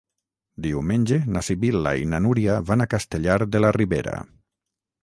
Diumenge na Sibil·la i na Núria van a Castellar de la Ribera.